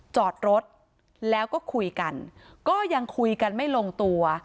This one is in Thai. จอดรถแล้วก็คุยกันก็ยังคุยกันไม่ลงตัว